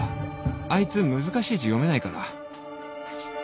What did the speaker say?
あいつ難しい字読めないから